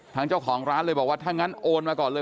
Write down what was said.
ทางเจ้าของร้านเลยบอกว่าถ้างั้นโอนมาก่อนเลย